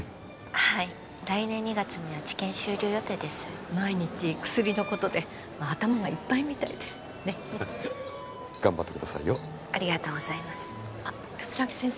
はい来年２月には治験終了予定です毎日薬のことで頭がいっぱいみたいでねっ頑張ってくださいよありがとうございますあっ桂木先生